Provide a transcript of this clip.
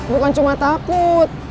bukan cuma takut